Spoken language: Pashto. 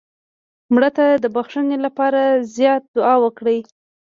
مړه ته د بخشش لپاره زیات دعا وکړه